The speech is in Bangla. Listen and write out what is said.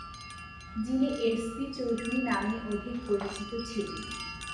যিনি এস বি চৌধুরী নামেই অধিক পরিচিত ছিলেন।